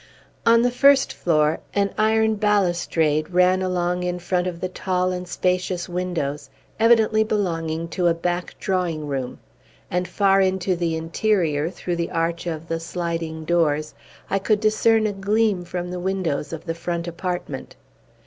On the first floor, an iron balustrade ran along in front of the tall and spacious windows, evidently belonging to a back drawing room; and far into the interior, through the arch of the sliding doors, I could discern a gleam from the windows of the front apartment.